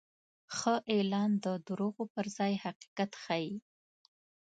ښه اعلان د دروغو پر ځای حقیقت ښيي.